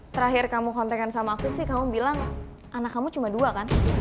terakhir kamu konten sama aku sih kamu bilang anak kamu cuma dua kan